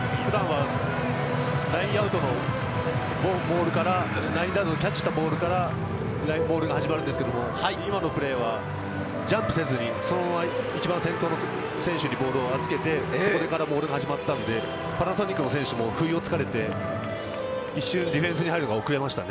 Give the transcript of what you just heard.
ラインアウトのモールからキャッチしたボールからモールが始まるんですけれど、今のはジャンプせずに、そのまま先頭の選手にボールを預けて、それからモールが始まったので、パナソニックの選手は不意を突かれて一瞬ディフェンスに入るのが遅れました。